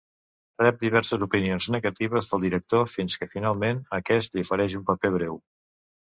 Rep diverses opinions negatives del director, fins que finalment aquest li ofereix un paper breu.